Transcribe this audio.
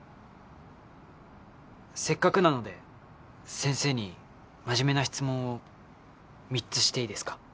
せっかくなので先生に真面目な質問を３つしていいですか？